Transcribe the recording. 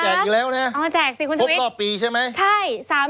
อ๋อแจกสิคุณชมวิทย์พบต่อปีใช่ไหม